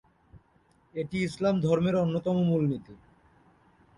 এটি ইসলাম ধর্মের অন্যতম মূলনীতি।